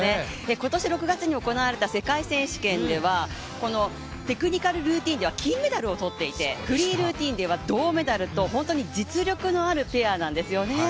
今年６月に行われた世界選手権ではテクニカルルーティンでは金メダルを取っていて、フリールーティンでは銅メダルと本当に実力のあるペアなんですよね。